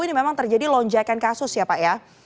ini memang terjadi lonjakan kasus ya pak ya